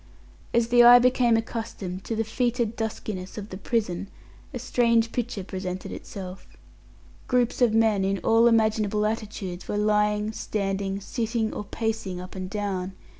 As the eye became accustomed to the foetid duskiness of the prison, a strange picture presented itself. Groups of men, in all imaginable attitudes, were lying, standing, sitting, or pacing up and down.